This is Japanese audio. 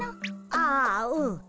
ああうん。